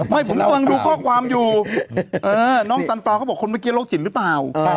ที่ดูเออน้องจันร์ฟลาวเขาบอกว่าโรคจิลล่ะป่าว